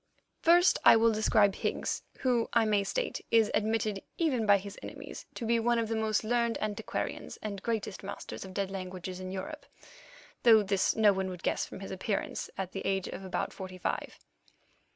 First, I will describe Higgs, who, I may state, is admitted, even by his enemies, to be one of the most learned antiquarians and greatest masters of dead languages in Europe, though this no one would guess from his appearance at the age of about forty five.